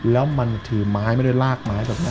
แล้วถือไม้หลากมา